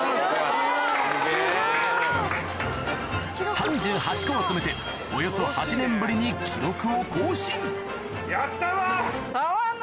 ３８個を詰めておよそ８年ぶりに記録を更新